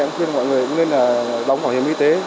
em khuyên mọi người cũng nên đóng bảo hiểm y tế